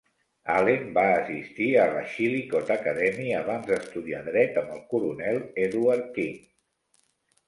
Allen va assistir a la Chillicothe Academy abans d'estudiar dret amb el coronel Edward King.